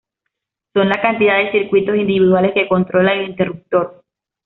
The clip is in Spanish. Son la cantidad de circuitos individuales que controla el interruptor.